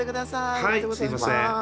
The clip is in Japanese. はいすいません。